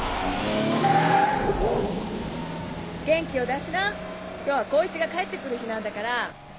元気を出しな今日は耕一が帰って来る日なんだから。